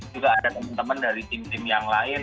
juga ada temen temen dari tim tim yang lain